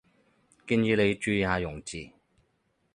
建議你注意下用字